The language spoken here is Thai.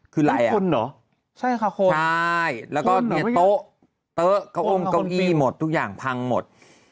คือไรอ่ะใช่ค่ะคนแล้วก็โต๊ะเต๊ะเก้าอ้มเก้าอี้ทุกอย่างพังหมด